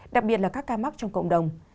đặc biệt là các ca mắc trong cộng đồng